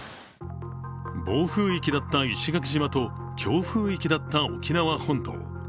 暴風域だった石垣島と強風域だった沖縄本島。